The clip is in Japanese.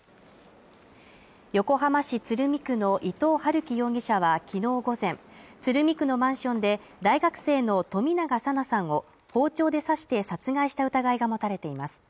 横浜市鶴見区の伊藤龍稀容疑者はきのう午前、鶴見区のマンションで、大学生の冨永紗菜さんを包丁で刺して殺害した疑いが持たれています。